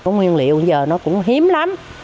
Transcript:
nguyên liệu bây giờ nó cũng hiếm lắm